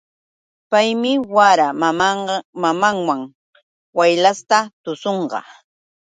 Paymi wara mamanwan waylasta tuśhunqa.